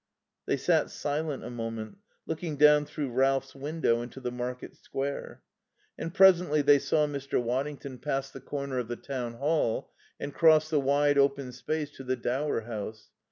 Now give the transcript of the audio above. They sat silent a moment, looking down through Ralph's window into the Market Square. And presently they saw Mr. Waddington pass the corner of the Town Hall and cross the wide, open space to the Dower House.